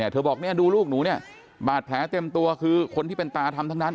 เธอบอกเนี่ยดูลูกหนูเนี่ยบาดแผลเต็มตัวคือคนที่เป็นตาทำทั้งนั้น